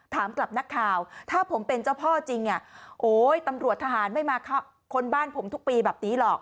ถามกับนักข่าวถ้าผมเป็นเจ้าพ่อจริงโอ๊ยตำรวจทหารไม่มาค้นบ้านผมทุกปีแบบนี้หรอก